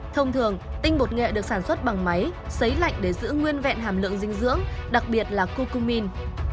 thông thường tinh bột nghệ được sản xuất bằng máy xấy lạnh để giữ nguyên vẹn hàm lượng dinh dưỡng đặc biệt là cocumin